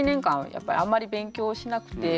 やっぱりあんまり勉強しなくて。